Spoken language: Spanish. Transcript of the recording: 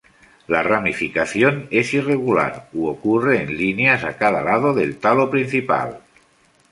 La ramificación es irregular u ocurre en líneas a cada lado del talo principal.